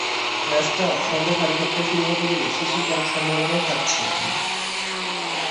ম্যাচটা সন্ধ্যা সাড়ে সাতটায় শুরু হবে বলে শিশির পড়ার সম্ভাবনাও থাকছে।